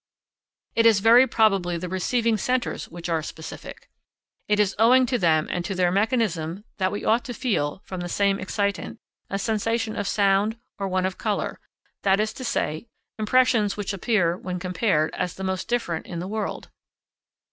It is very probably the receiving centres which are specific. It is owing to them and to their mechanism that we ought to feel, from the same excitant, a sensation of sound or one of colour, that is to say, impressions which appear, when compared, as the most different in the world.